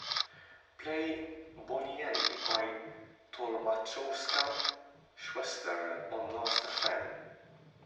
Play Bonnie Annie by Tolmatschowa-schwestern on last fm.